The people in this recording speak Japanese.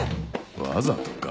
わざとか？